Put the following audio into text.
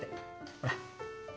ほら。